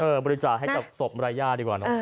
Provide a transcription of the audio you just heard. บริจาคให้กับศพมารยาทดีกว่าเนอะ